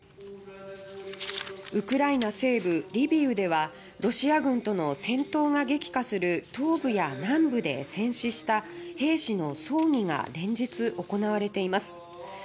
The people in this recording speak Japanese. ウクライナ西部・リビウではロシア軍との戦闘が激化する東部や南部で戦死した兵士の葬儀が連日行われています